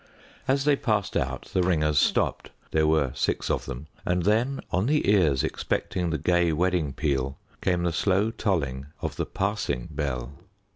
As they passed out the ringers stooped there were six of them and then, on the ears expecting the gay wedding peal, came the slow tolling of the passing bell.